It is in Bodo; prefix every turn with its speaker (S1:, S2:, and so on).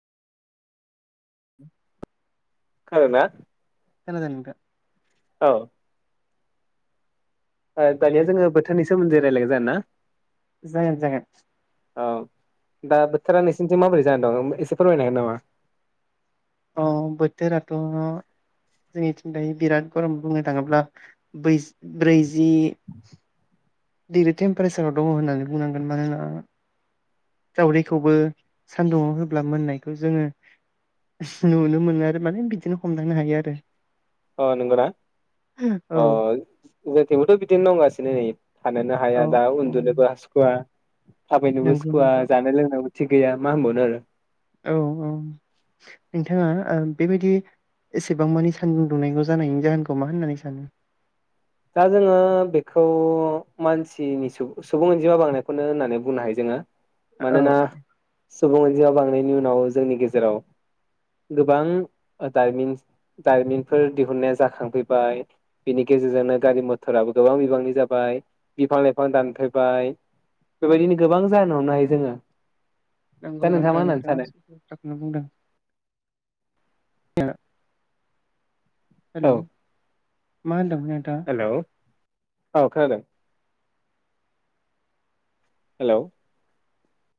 S1: [unintelligible]
S2: [unintelligible]
S1: खोनादों नोंथां
S2: औ दानिया जोङो
S1: जागोन
S2: बोथोरनि सोमोन्दै रायलायगोन जागोन ना
S1: जागोन
S2: औ दा बोथोरा नोंसिोरनिथि माबोरै जानानै दं एसे फोरमायनो हागोन नामा?
S1: अ बोथोराथ' जोंनिथिं दा बिराद गरम बुंनो थाङोब्ला बै ब्रैजि डिग्रि टेम्पारेसाराव दङ होननानै बुंनांगोन मानोना दावदैखौबो सानदुंआव होब्ला मोननायखौ जोङो नुनो मोनो आरो माने बिदिनो हमदांनो हायो आरो।
S2: अ नोंगो ना
S1: औ
S2: अ जोंथिबोथ' बिदिनो दंगासिनो नै थाननो हाया दा
S1: औ
S2: उन्दुनोबो सुखुवा थाबायनोबो
S1: नंगौ
S2: सुखुवा
S1: नोंथां
S2: जानाय लोंनो थिग गैया मा होनबावनो आरो
S1: औ औ नोंथाङा बेबायदि एसेबां मानि सानदुं दुंनायखौ जानायनि जाहोनखौ मा होननानै सानो?
S2: दा जोङो बेखौ मानसिनि सुबुं अनजिमा बांनायखौनो होननानै बुंनो हायो जोङो।
S1: औ
S2: मानोना
S1: औ
S2: सुबुं अनजिमायाव बांनायनि उनाव जोंनि गेजेराव गोबां दारिमिनफोर दिहुननाया जाखांफैबाय बिनि गेजेरजोंनो गारि मथराबो गोबां बिबांनि जाबाय बिफां लाइफां दानफैबाय बेबायदिनो गोबां जानो हमनो हायो जोङो।
S1: नोंगौ
S2: दा नोंथाङा
S1: नोंथा
S2: मा होननानै
S1: नोंथांआ
S2: सानो
S1: सैथो बाथ्राखौनो बुंदों। [unintelligible] हेल'
S2: औ
S1: मा होनदों? नोंथांआ
S2: हेलौ औ खोनादों। हेलौ